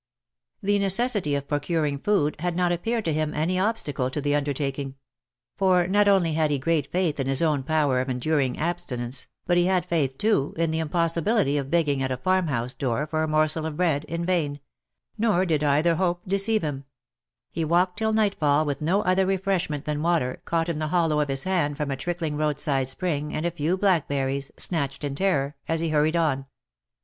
The necessity of procuring food had not appeared to him any ob stacle to the undertaking ; for not only had he great faith in his own power of enduring abstinence, but he had faith too, in the impossibi lity of begging at a farm house door for a morsel of bread, in vain— nor did either hope deceive him : he walked till nightfall with no other refreshment than water, caught in the hollow of his hand from a trickling road side spring, and a few blackberries, snatched in terror, as he hurried on.